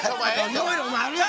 いろいろお前あるやろ。